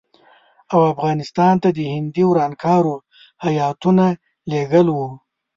او افغانستان ته د هندي ورانکارو هیاتونه لېږل وو.